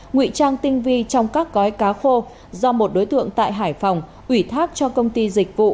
nguy trang tinh vi trong các gói cá khô do một đối tượng tại hải phòng ủy thác cho công ty dịch vụ